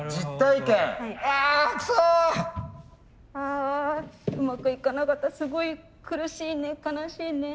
あうまくいかなかったすごい苦しいね悲しいね。